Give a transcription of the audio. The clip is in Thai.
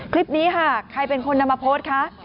คลิปนี้ค่ะใครเป็นคนนำมาโพสต์คะ